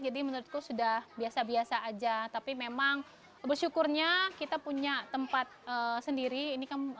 jadi menurutku sudah biasa biasa aja tapi memang bersyukurnya kita punya tempat sendiri ini kan